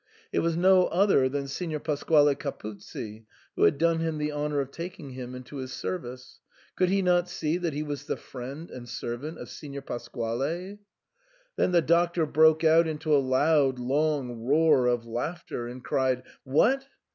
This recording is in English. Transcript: It was no other than Signer Pasquale Capuzzi, who had done him the honour of taking him into his service. Could he not see that he was the friend and servant of Signor Pasquale ? Then the Doctor broke out into a loud long roar of laughter, and cried, What